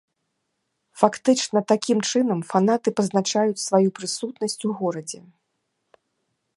Фактычна, такім чынам фанаты пазначаюць сваю прысутнасць у горадзе.